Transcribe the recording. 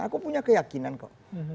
aku punya keyakinan kok